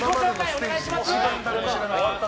お願いします。